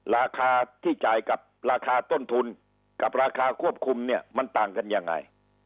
ราคาที่จ่ายกับราคาต้นทุนกับราคาควบคุมเนี่ยมันต่างกันยังไง